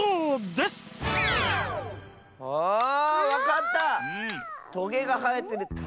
あわかった！